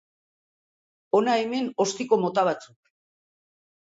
Hona hemen ostiko mota batzuk.